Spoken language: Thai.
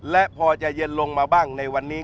และพอจะเย็นลงมาบ้างในวันนี้